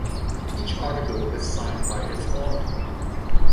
Each article is signed by its author.